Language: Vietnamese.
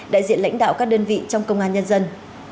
đại diện lãnh đạo các đơn vị trong công an nhân dân